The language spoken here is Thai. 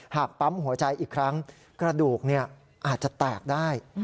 ปั๊มหัวใจอีกครั้งกระดูกอาจจะแตกได้